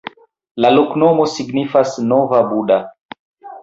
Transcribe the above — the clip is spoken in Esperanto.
La loknomo signifas: nova-Buda.